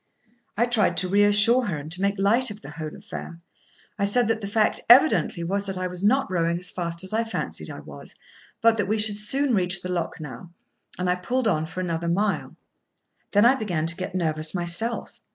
I tried to reassure her, and to make light of the whole affair. I said that the fact evidently was that I was not rowing as fast as I fancied I was, but that we should soon reach the lock now; and I pulled on for another mile. Then I began to get nervous myself.